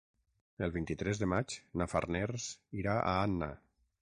El vint-i-tres de maig na Farners irà a Anna.